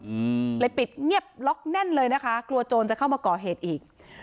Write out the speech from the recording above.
อืมเลยปิดเงียบล็อกแน่นเลยนะคะกลัวโจรจะเข้ามาก่อเหตุอีก